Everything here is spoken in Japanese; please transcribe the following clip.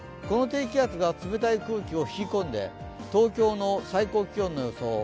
この低気圧が冷たい空気を引き込んで東京の最高気温の予想